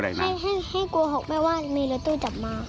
ให้กลัวโหครับแม่ว่ามีรถตู้จับมา